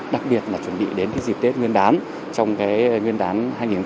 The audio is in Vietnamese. đặc biệt là chuẩn bị đến cái dịp tết nguyên đán